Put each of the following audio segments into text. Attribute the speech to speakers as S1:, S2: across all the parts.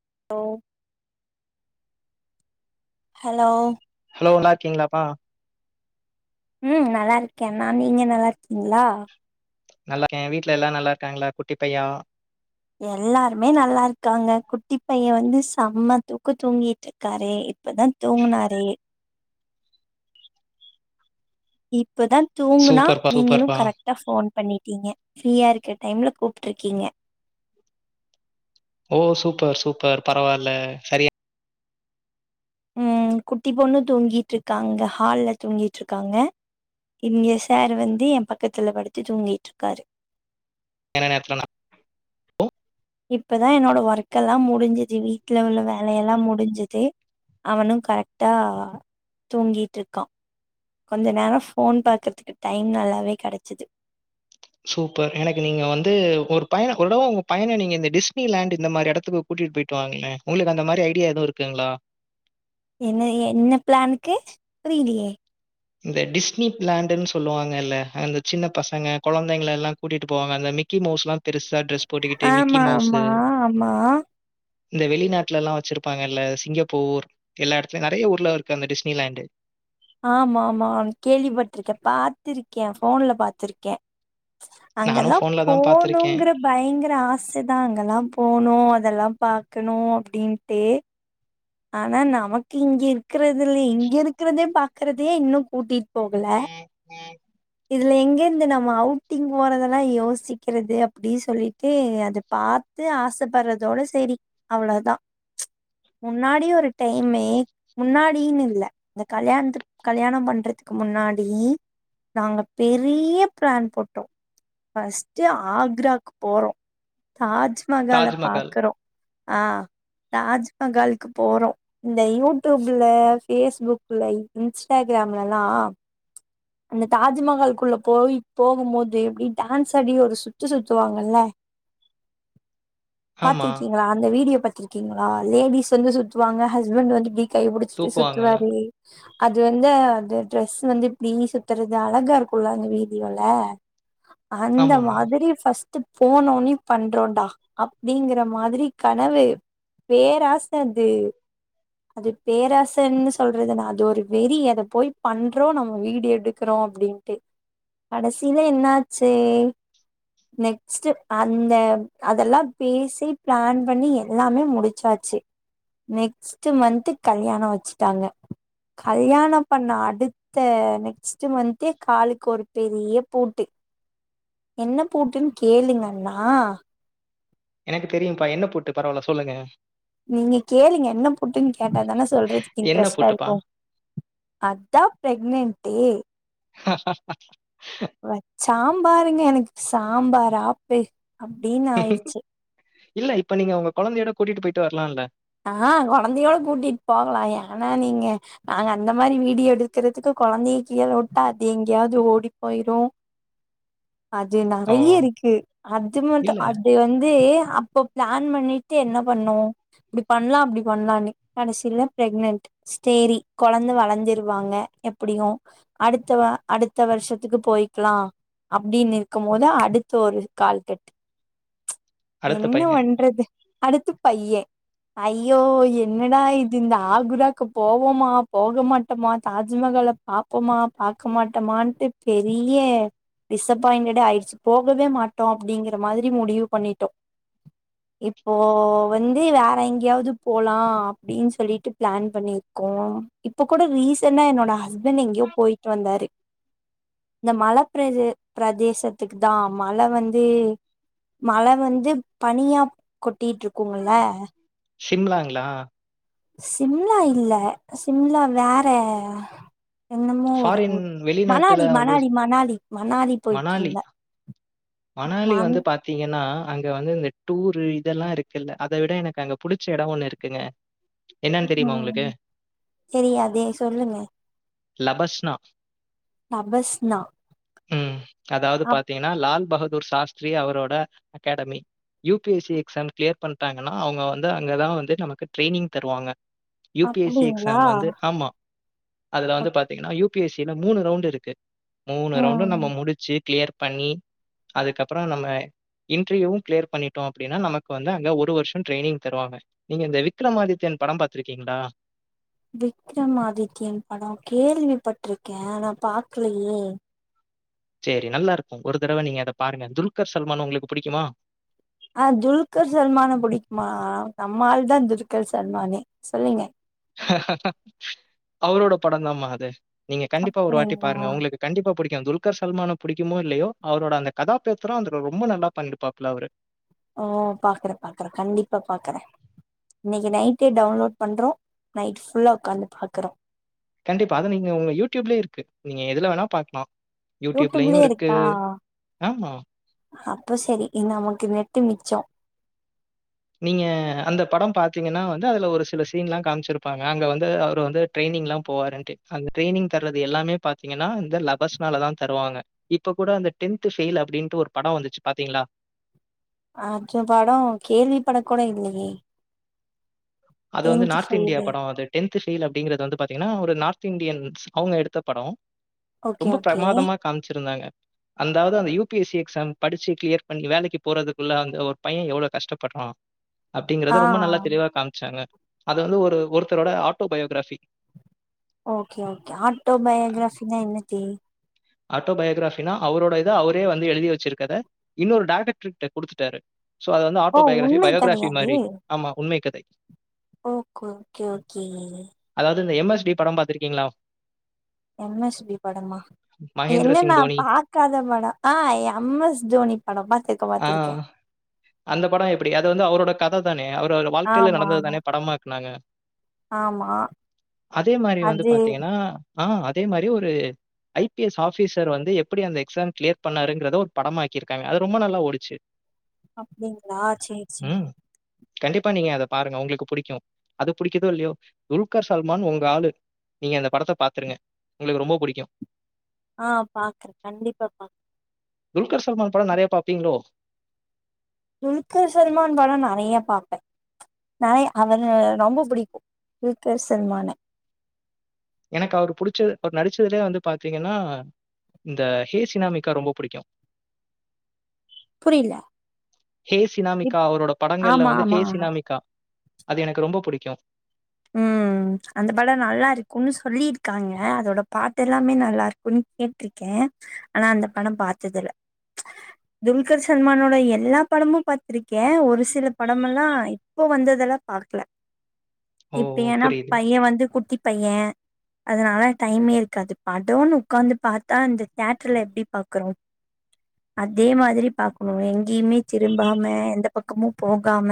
S1: [inaudible] Hello
S2: hello நல்லாருக்கீங்ளாப்பா
S1: ம் நல்லாருக்கே அண்ணா நீங்க நல்லாருக்கீங்ளா
S2: நல்லாருக்கே வீட்ல எல்லா நல்லாருக்காங்ளா குட்டி பையா
S1: எல்லாருமே நல்லாருக்காங்க குட்டி பைய வந்து சம்ம தூக்கோ தூங்கிட்ருக்காரு இப்பதா தூங்னாரே இப்பதா தூங்குனா
S2: சூப்பர்ப்பா
S1: நீங்களு
S2: சூப்பர்ப்பா
S1: கரெக்ட்டா ஃபோன் பண்ணிட் டீங்க ஃபிரீயா இருக்குற டைம்ல கூப்ட்ருக்கீங்க
S2: ஓ சூப்பர் சூப்பர் பரவால்ல செரியா
S1: ம் குட்டி பொண்ணு தூங்கிட்ருக்காங்க ஹால்ல தூங்கிட்ருக்காங்க இங்கே சார் வந்து எ பக்கத்துல படுத்து தூங்கிட்ருக்காரு
S2: என்ன நேரத்துல நா
S1: இப்பதா என்னோட ஒர்க்கெல்லா முடிஞ்சிது வீட்ல உள்ள வேலையெல்லா முடிஞ்சிது அவனு கரெக்ட்டா தூங்கிட்ருக்கான் கொஞ்ச நேரோ ஃபோன் பாக்குறதுக்கு டைம் நல்லாவே கெடச்சிது
S2: சூப்பர் எனக்கு நீங்க வந்து ஒரு பையன ஒரு தடவ உங்க பையன நீங்க இந்த டிஸ்னி லேண்ட்டு இந்த மாரி எடத்துக்கு கூட்டி டிட்டு போயிட்டு வாங்ளே உங்ளுக்கு அந்த மாரி ஐடியா எதுவு இருக்குங்ளா
S1: என்ன என்ன பிளானுக்கு புரியிலியே
S2: இந்த டிஸ்னி பிளாண்டுன் சொல்லுவாங்கல்ல அந்த சின்ன பசங்க கொழந்தைங்கள எல்லாம் கூட்டிட்டு போவாங்க அந்த மிக்கி மௌஸ்ல்லா பெருசா டிரெஸ் போட்டுக்கிட்டு மிக்கி
S1: ஆமா
S2: மௌஸ்ஸு
S1: ஆமா ஆமா
S2: இந்த வெளிநாட்டுலல்லா வெச்சிருப்பாங்கல்ல சிங்கப்பூர் எல்லா எடத்துலயு நெறையா ஊர்லருக்கு அந்த டிஸ்னி லேண்ட்டு
S1: ஆமா ஆமா கேள்விப்பட்ருக்கே பாத்துருக்கே ஃபோன்ல பாத்துருக்கே
S2: நானு
S1: அங்கல்லா
S2: ஃபோன்ல தா பாத்திருக்கே
S1: போணுங்கற பயங்கர ஆச தா அங்கல்லா போணு அதெல்லா பாக்கணு அப்டின்ட்டு ஆனா நமக்கு இங்க இருக்கறதில்ல இங்க இருக்கறதே பாக்கறதே இன்னு கூட்டிட் போகல இதுல எங்கிர்ந்து நம்ம அவுட்டிங் போறதெல்லா யோசிக்கிறது அப்புடி சொல்லிட்டு அத பாத் து ஆசப்பட்றதோட சேரி அவ்ளோ தா முன்னாடி ஒரு டைமு முன்னாடினில்ல இந்த கல்யாண்த்து கல்யாணோ பண்ற த்துக்கு முன்னாடி நாங்க பெரிய பிளான் போட்டோ ஃபஸ்ட்டு ஆக்ராக்கு போறோ தாஜ்மகால
S2: தாஜ்மஹால்.
S1: பாக்கறோ ஆ தாஜ்மகால்க்கு போறோ இந்த யூடூபுல, ஃபேஸ்புக்ல, இன் இன்ஸ்டாக்ரா கேம்ரால்லா அந்த தாஜுமகால்க்குள்ள போய் போகும் போது இப்டி டான்ஸ் அடி ஒரு சுத்து சுத்துவாங்கல்ல
S2: ஆமா.
S1: பாத்திருக்கீங்ளா அந்த வீடியோ பாத்திருக்கீங்ளா லேடிஸ் வந்து சுத்துவாங்க ஹஸ்பண்ட் வந்து இப்டி கைய புடிச்சிட்டு
S2: தூக்குவாங்க.
S1: சுத்துவாங்ளே அது வந்து அது ட்ரெஸ் வந்து இப்டி சுத்தறது அழகா இருக்குல்ல அங்க வீடியோல அந்த
S2: ஆமாமா.
S1: மாதிரி ஃபஸ் ட்டு போன உட்னயு பண்றோன்டா அப்டிங்கிற மாதிரி கனவு பேராச அது அது பேராசன்னு சொல்றதுன்னா அது ஒரு வெறி அத போய் பண்றோ நம்ம வீடியோ எடுக்கறோ அப்டின்ட்டு கடசீல என்னாச்சு நெக்ஸ்ட்டு அந்த அதெல்லா பேசி பிளான் பண்ணி எல்லாமே முடிச்சாச் சி நெக்ஸ்ட்டு மன்த்து கல்யாணோ வெச்சிட்டாங்க கல்யாணோ பண்ண அடுத் த நெக்ஸ்ட்டு மன்த்தே காலுக்கொரு பெரிய பூட்டு என்ன பூட்டுன் கேளுங்கண்ணா
S2: எனக்கு தெரியும்ப்பா என்ன பூட்டு பரவால்ல சொல்லுங்க
S1: நீங்க கேளுங்க என்ன பூட்டுன் கேட்டா தான சொல்றதுக்
S2: என்ன
S1: இன்ட்ரெஸ்ட்டா
S2: பூட்டுப்பா?
S1: இருக்கு அதா ப்ரெக்னென்ட்டு வெச்சா பாருங்க எனக்கு சாம்பார் ஆப்பு அப்டின் ஆயிருச்சு
S2: இல்ல இப்ப நீங்க உங்க கொழந்தையோட கூட்டிட்டு போய்ட்டு வர்லால்ல
S1: ஆ கொழந்தையோட கூட்டிட் போகலா ஏண்ணா நீங்க நாங்க அந்த மாரி வீடியோ எடுக்கறதுக்கு கொழந்தைய கீழ உட்டா அது எங்கயாவ்து ஓடி போய்ரு அது
S2: ஓ!
S1: நெறைய இருக்கு அது மட்டு
S2: இல்ல.
S1: அது வந்து அப்போ பிளான் பண்ணிட்டு என்ன பண்ணு இப்டி பண்ணலா அப்டி பண்லானு கடசீல ப்ரெக்னன்ட் ஸ்டேரி கொழந்த வளந்துருவாங்க எப்படியு அடுத்த வா அடுத்த வர்ஷத்துக்கு போய்க்கலா அப்டின்னுருக்கும் போது அடுத்த ஒரு கால்கட்டு
S2: அடுத்த
S1: என்ன
S2: பையன்.
S1: வண்றது அடுத்து பைய ஐயோ என்னடா இது இந்த ஆகுராக்கு போவோமா போக மாட்டமா தாஜு மகால பாப்போமா பாக்க மாட்டமான்ட்டு பெரிய டிசப்பாயிண்டடே ஆயிடுச்சி போகவே மாட்டோ அப்டிங்கிற மாதிரி முடிவு பண்ணிட்டோ இப்போ வந்து வே எங்கயாவ்து போலா அப்டின் சொல்லிட்டு பிளான் பண்ணிருக்கோம் இப்ப கூட ரீசண்டா என்னோட ஹஸ் பண்ட் எங்கியோ போய்ட்டு வந்தாரு இந்த மழ பிரதே பிரதேசத்துக்கு தான் மழ வந்து மழ வந்து பனியா கொட்டிட்டுருக்கும்ல
S2: ஷிம்லாங்களா
S1: சிம்லா இல்ல சிம்லா வேற என்னமோ ஒரு
S2: ஃபாரின்
S1: ஊரு
S2: வெளிநாட்டுல
S1: மணாடி
S2: வந்து
S1: மணாடி மணாலி மணாலி
S2: மணாலி.
S1: போயிட்டுருந்த
S2: மணாலி வந்து பாத்தீங்கன்னா அங்க வந்து இந்த டூரு இதெல்லாம் இருக்குல்ல அத விட எனக்கு அங்க புடிச்ச எடம் ஒன்னு இருக்குங்க என்னன்னு தெரியுமா
S1: உம்
S2: உங்களுக்கு?
S1: சரி அதேயே சொல்லுங்க
S2: லபஸ்னா
S1: தபஸ்னா
S2: உம் அதாது
S1: அப்
S2: பாத்தீங்கன்னா லால் பகத் தோர் சாஸ்திரி அவரோட academy you P S C exam clear பண்ணிட்டாங்கன்னா அவங்க வந்து அங்கதான் வந்து நமக்கு ட்ரெயினிங் தருவாங்க யூ பி எஸ் சி
S1: அப்டிங்களா
S2: எக்ஸாம் வந்து ஆமா அதுல வந்து பாத் யூ பி எஸ் சில மூணு ரவுண்ட் இருக்கு மூணு ரவுண்டும்
S1: ம்
S2: நம்ம முடிச்சு கிளியர் பண்ணி அதுக்கப்ரோ நம்ம இன்டர்வியூவும் கிளியர் பண்ணிட்டோம் அப்பிடின்னா நமக்கு வந்து அங்க ஒரு வருஷம் ட்ரைனிங் தருவாங்க நீங்க இந்த விக்ரமாதித்யன் படம் பாத்திருக்கீங்களா
S1: விக்ரம் ஆதித்யன் படம் கேள்வி பட்ருக்க ஆனா பாக்லயே
S2: சரி நல்லா இருக்கும் ஒரு தடவ நீங்க அத பாருங்க துல்கர் சல்மான் உங்களுக்கு புடிக்குமா
S1: ஆ துல்கர் சல்மான புடிக்குமா நம்மாள் தான் துல்கர் சல்மானே சொல்லுங்க
S2: அவரோட படம் தான் மா அது நீங்க கண்டிப்பா ஒரு வாட்டி பாருங்க
S1: அப்டிங்களா
S2: உங்களுக்கு கண்டிப்பா புடிக்கும் துல்கர் சல்மான புடிக்குமோ இல்லயோ அவரோட அந்த கதாபேத்திரோ அதுல ரொம்ப நல்லா பண்ணிருப்பாபல அவரு
S1: ம் பாக்குற பாக்குற கண்டிப்பா பாக்குற இன்னைக்கு நைட்டே டவுன்லோட் பண்றோ நைட் ஃபுல்லா உக்காந்து பாக்றோ
S2: கண்டிப்பா அத நீங்க உங்க யூடியூப்லயே இருக்கு நீங்க எதுல வேணா பாக்கலாம் யூடியூப்லயும்
S1: யூடியூப்லயே
S2: இருக்கு ஆமா
S1: அப்போ சரி இ நமக்கு நெட்டு மிச்சம்
S2: நீங்க அந்த படம் பாத்தீங்கன்னா வந்து அதுல ஒரு சில சீன் எல்லாம் காமிச்சிருப்பாங்க அங்க வந்து அவரு வந்து ட்ரெயின் னிங்லாம் போவருன்ட்டு அந்த ட்ரைனிங் தர்றது எல்லாமே பாத்தீங்கன்னா இந்த லபஸ்னால தான் தருவங்க இப்ப கூட அந்த டென்த் ஃபெயில் அப்படின்னுட்டு ஒரு படம் வந்துச்சு பாத்தீங்களா
S1: அஜம் படம் கேள்வி பட கூட இல்லயே
S2: அது வந்து நார்த் இந்தியா படம் அது டென்த் ஃபெயில் அப்படிங்கது வந்து பாத்தீங்கன்னா ஒரு நார்த் ர்த் இந்தியன்ஸ் அவங்க எடுத்த படம்
S1: ஓகே
S2: ரொம்ப
S1: ஓகே
S2: பிரமாதமா காமிச்சிருந்தாங்க அந்தாவது அந்த U P S C exam படிச்சு கிளியர் பண்ணி வேலைக்கு போறதுக்குள்ள அந்த ஒரு பையன் எவ்வளவு கஷ்டப்பட்றா அ அப்படிங்கறத
S1: ஆ
S2: ரொம்ப நல்லா தெளிவா காம் க்காங்க அது வந்து ஒரு ஒருத்தரோட ஆட்டோ பயோகிரஃபி
S1: ஓகே ஓகே ஆட்டோ பயோகிராஃபின்னா என்னது
S2: ஆட்டோ பயோகிராஃபின்னா அவரோட இத அவரே வந்து எழுதி வச்சிருக்கத இன்னொரு டைரக்டர் கிட்ட குடுத்துட்டாரு சோ அது வந்து
S1: ஓ
S2: ஆட்டோ பயோகிரஃபி
S1: உண்மை
S2: பயோகிரஃபி மாறி ஆமா உண்மை கதை
S1: ஓக்கு கே ஓகே
S2: அது எம் எஸ் டி படம் பாத்திருக்கீங்களா
S1: எம் எஸ் டி படமா
S2: மகேந்திர
S1: என்னண்ணா
S2: சிங் தோனி.
S1: பாக்காத படம் ஆ எம் எஸ் தோனி படமா த்திருக்க
S2: ஆ.
S1: பாத்திருக்கேன்
S2: அந்த படம் எப்படி அது வந்து அவரோட கத தானே அவரோட வாழ்க்கையில நடந்தது தானே படமா ஆக்குனாங்க
S1: ஆம்
S2: அதே மாறி வந்து பாத்தீங்கன்னா ஆ அதே மாறி ஒரு ஐ பிஎஸ் ஆஃபிசர் வந்து எப்படி அந்த எக்ஸாம் கிளியர் பண்ணாருங்கிறத ஒரு படமாக்கியிருக்காங்க அது ரொம்ப நல்லா ஓடிச்சு
S1: அப்படிங்களா சேரி சேரி
S2: ம். கண்டிப்பா நீங்க அத பாருங்க உங்களுக்கு புடிக்கு அது புடிக்குதோ இல்லையோ உல்கார் சல்மான் உங்க ஆளு நீங்க அந்த படத்த பாத்துருங்க உங்களுக்கு ரொம்ப பிடிக்கு
S1: ஆ பாக்றே கண்டிப்பா பாக்
S2: உல்கார் சல்மான் படோ நெறைய பாப்பீங்ளோ
S1: உல்கார் சல்மான் படோ நெறைய பாப்பே நா அவன ரொம்ப பிடிக்கு உல்கார் சல்மான
S2: எனக்கு அவரு புடிச்சு அவர் நடிச்சதுலே வந்து பாத்தீங்கனா இந்த ஹே சினாமிக்கா ரொம்ப பிடிக்கு
S1: புரியல
S2: ஹே சினாமிக்கா அவரோட படங்கள்ல
S1: ஆமா
S2: வந்து ஹே
S1: ஆமா ஆமா
S2: சினாமிக்கா அது எனக்கு ரொம்ப புடிக்கு
S1: ம் அந்த படோ நல்லா இருக்கும்ன்னு சொல்லியிருக்காங்க அதோட பாட்டு எல்லாமே நல்லா இருக்கும்ன்னு கேட்ருக்கே னு ஆனா அந்த படோ பாத்ததில்ல துல்கர் சல்மானோட எல்லா படமும் பாத்திருக்கே ஒரு சில படம் எல்லா இப்போ வந்ததெல்லா பார்க்கல
S2: ஓ!
S1: இப்ப ஏனா
S2: புரியுது.
S1: பைய வந்து குட்டி பையே அதனால டைம்மே இருக்காது படோனு உக்காந்து பாத்தா இந்த தேட்ர்ல எப்டி பாக்கறோ அதே மாதிரி பாக்ணு எங்கேயுமே திரும்பாம எந்த பக்கமும் போகாம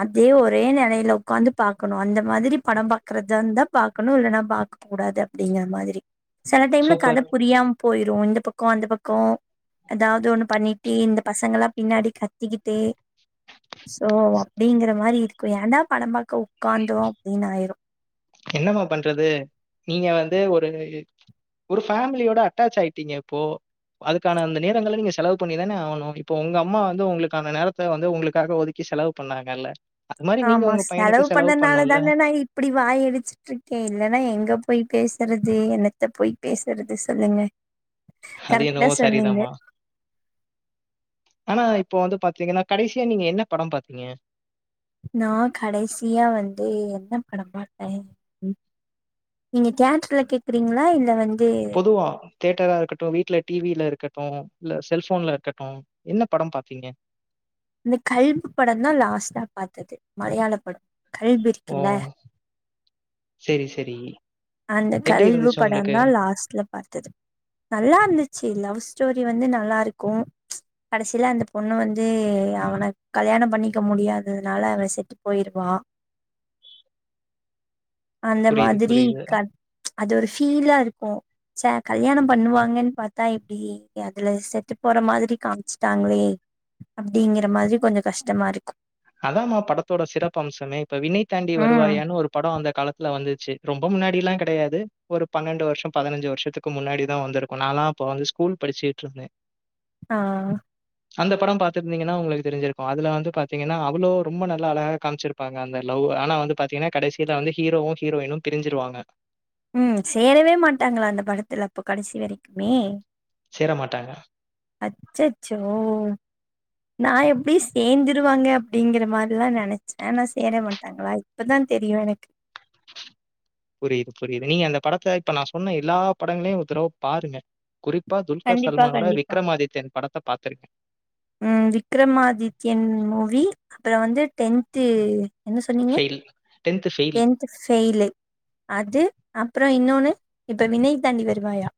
S1: அதே ஒரே நெலையில உக் உக்காந்து பாக்கணு அந்த மாதிரி படம் பாக்குறதா இருந்தா பாக்கணு இல்லன்னா பாக்க கூடாது அப்டிங்கிற மாதிரி சில டைம்ல கத
S2: சூப்பர்.
S1: புரியாம போயிரு இந்த பக்கோ அந்த பக்கோ அதாவது ஒண்ணு பண்ணிட்டு இந்த பசங்ககெல்லா பின்னாடி கத்திக்கிட்டு சோ அப்டிங்கிற மாறி இருக்கு ஏன்டா படம் பாக்க உக்காந்தோ அப்டின்னு ஆயிரு
S2: என்னமா பண்றது நீங்க வந்து ஒரு ஒரு ஃபேமிலியோட அட்டாச் ஆயிட்டீங்க இப்போ அதுக்கான அந்த நேரங்கள நீங்க செலவு பண்ணிதானே ஆவுணு இப்ப உங்க அம்மா வந்து உங்களுக்கான நேரத்த வந்து உங்களுக்காக ஒதுக்கி செலவு பண்ணாங்கல்ல அது மாரி நீங்க
S1: ஆமா
S2: உங்க பையனுக்கு
S1: செலவு பண்ணனால
S2: பண்ணணும்ல.
S1: தானே நா இப்படி வாய் அடிச் சுட்டு இருக்கே இல்லன்னா எங்க போய் பேசறது என்னத்த போய் பேசறது சொல்லுங்க
S2: அது
S1: கரெக்டா
S2: என்னவோ
S1: சொன்னீங்க
S2: சரிதாம்மா. ஆனா இப்போ வந்து பாத்தீங்கன்னா கடைசியா நீங்க என்ன படம் பாத்தீங்க
S1: நா கடைசியா வந்து என்ன படம் பாத்தே நீங்க தேட்டுர்ல கேக்குறீங்களா இல்ல வந்
S2: பொதுவா தேட்டரா இருக்கட்டு வீட்ல டிவியில இருக்கட்டு டு இல்ல செல்போன்ல இருக்கட்டு என்ன படம் பாத்தீங்க
S1: இந்த கல்பு படோ தா லாஸ்டா பாத்தது மலையாள படம் கல்பு இருக்குல்ல
S2: ம் செரி செரி
S1: அந்த கல்வு படந்தா லாஸ்ட்ல பாத்தது நல்லா இரு இருந்துச்சு லவ் ஸ்டோரி வந்து நல்லா இருக்கு ச்சி கடைசியில அந்த பொண்ணு வந்து அவன கல்யாணம் பண்ணிக்க முடியாததுனால அவ செத்து போயிருவா அந்த
S2: புரியுது,
S1: மாதிரி
S2: புரியுது.
S1: கத் அது ஒரு ஃபீலா இருக்கு ச கல்யாணம் பண்ணுவாங்கன்னு பாத்தா இப்டி அதுல செத்து போற மாதிரி காமிச்சுட்டாங்களே அப்டிங்கிற மாரி கொஞ்சோ கஷ்டமா இருக்கு
S2: அதமா படத்தோட சிறப்பு அம்சமே இப்ப விண்ணை தாண்டி
S1: ம்
S2: வருவாயான்னு ஒரு படம் அந்த காலத் துல வந்துச்சு ரொம்ப முன்னாடில்லா கெடையாது ஒரு பன்னெண்டு வர்ஷோ பதினஞ்சு வர்ஷத்துக்கு முன்னாடிதா வந்திருக்கு நாலாப் அப்ப வந்து ஸ்கூல் படிச்சுட்டு இருந்தே
S1: ஆ
S2: அந்த படம் பாத்திருந்தீங்கன்னா உங்களுக்கு தெரிஞ்சிருக்கு அதுல வந்து பாத்தீங்கனா அவுளு ரொம்ப நல்ல அழகா காமிச்சிருப்பாங்க அந்த லவ் ஆனா வந்து பாத்தீங்கன்னா கடைசில வந்து ஹீரோவு ஹீரோயினு பிரிஞ்சிருவாங்க
S1: ம் சேரவே மாட்டாங்ளா அந்த படத்துல அப்ப கடைசி வரைக்குமே
S2: சேர மாட்டாங்க
S1: அச்சச்சோ நா எப்டி சேர்ந்திருவாங்க அப்டிங்கிற மாரிதா நெனச்சே ஆனா சேர மாட்டாங்ளா இப்பதா தெரியு எனக்கு
S2: புரிது புரிது நீங்க அந்த படத்த இப்ப நா சொன்ன எல்லா படங்களையு ஒரு தடவ பாருங்க குறிப்பா துல்கர்
S1: கண்டிப்பா
S2: சல்மானோட
S1: கண்டிப்பா
S2: விக்ரமாதித்யன் படத்த பாத்திருக்கேன்
S1: ம் விக்ரமாதித்யன் மூவி அப்றோ வந்து டென்த்து என்ன சொன்னீங்க
S2: ஃபெயில். ஃபெயில்.
S1: டென்த்து ஃபெயிலு அது அப்றோ இன்னொன்னு இப்ப விண்ணை தாண்டி வருவாயா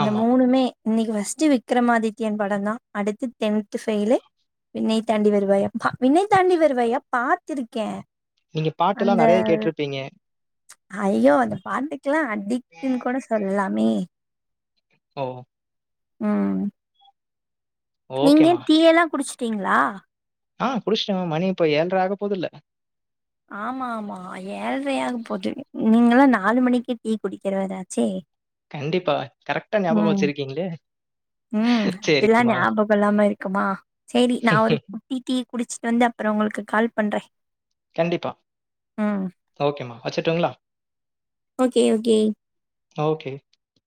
S1: இந்த
S2: ஆமா.
S1: மூணுமே இன்னைக்கு ஃபர்ஸ்ட் விக்ரமாதித்யன் படந்தா அடுத்து டென்த் ஃபெயிலு விண்ணை தாண்டி வருவாயா விண்ணை தாண்டி வருவாயா பாத்திருக்கே
S2: நீங்க பாட்டெல்லா நெறயா கேட்டிருப்பீங்க
S1: அய்யோ அந்த பாட்டுக்கெல்லா அடிக்ட்ன்னு கூட சொல்லாமே
S2: ஓ
S1: ம் நீங்க
S2: ஓகேம்மா.
S1: டீ எல்லா குடிச்சிட்டீங்ளா
S2: ஆ குடிஷ்ட்டங்க மணி இப்ப ஏழ்ர ஆக போகுதல்ல
S1: ஆமாமா ஏழ்ரையாக போது நீங்கெல்லா நாலு மணிக்கு டீ குடிக்கிறவராச்சே
S2: கண்டிப்பா கரெக்ட்டா ஞாபகோ
S1: ம்
S2: வெச்சிருக்கீங்ளே
S1: ம் அதெல்லா ஞாபகோ இல்லாம இருக்குமா செரி நா ஒரு குட்டி டீ குடிச்சிட்டு வந்து அப்றோ உங்களுக்கு கால் பண்றே
S2: கண்டிப்பா
S1: ம்
S2: ஓகேமா வெச்சுட்டுங்ளா
S1: ஓகே ஓகே
S2: ஓகே